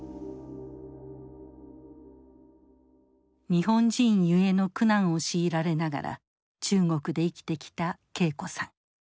日本人ゆえの苦難を強いられながら中国で生きてきた桂子さん。